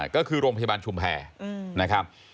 ก็คือโรงพยาบาลชุมแพร